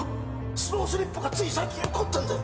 スロースリップがつい最近起こったんだよ